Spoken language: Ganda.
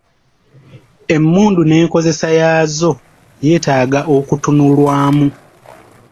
Emmundu n’enkozesa yaazo yeetaaga okutunulwamu.